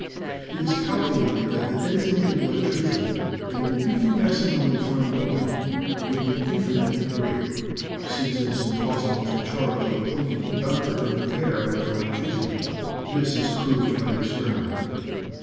"It is calculated that the density of electricity at an Fig. 7 — Action of Points : Electric Wind. infinitesimally fine point would be infinitely great, since it is impossible to charge a pointed conductor in the air with electricity ; this is proved by experiment.